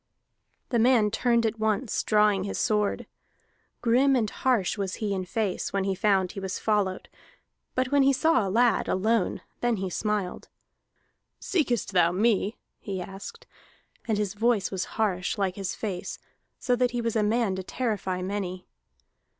That man turned at once, drawing his sword. Grim and harsh was he in face when he found he was followed, but when he saw a lad, alone, then he smiled. "Seekest thou me?" he asked. And his voice was harsh, like his face, so that he was a man to terrify many.